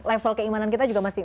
level keimanan kita juga masih